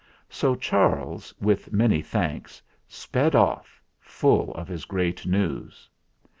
So Charles, with many thanks, sped off, full of his great news.